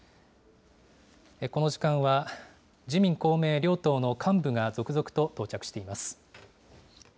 この時間は、自民、公明両党の幹部が続々と到着しています。